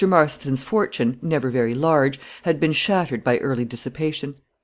Marston's fortune, never very large, had been shattered by early dissipation.